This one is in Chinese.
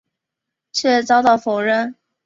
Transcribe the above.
却遭到否认。